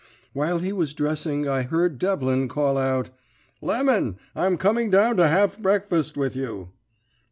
While he was dressing I heard Devlin call out: "'Lemon, I'm coming down to have breakfast with you.'